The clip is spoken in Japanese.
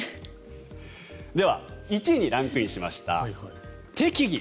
では１位にランクインしました、適宜。